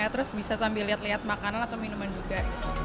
terus bisa sambil lihat lihat makanan atau minuman juga